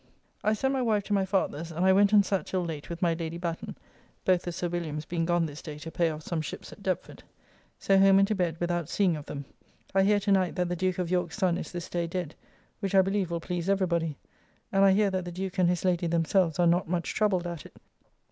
I sent my wife to my father's, and I went and sat till late with my Lady Batten, both the Sir Williams being gone this day to pay off some ships at Deptford. So home and to bed without seeing of them. I hear to night that the Duke of York's son is this day dead, which I believe will please every body; and I hear that the Duke and his Lady themselves are not much troubled at it.